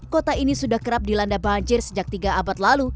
kota ini sudah kerap dilanda banjir sejak tiga abad lalu